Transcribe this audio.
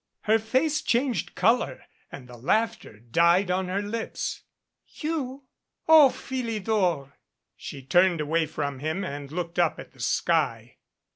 Her face changed color and the laughter died on her lips. "You? O Philidor!" She turned away from him and looked up at the sky.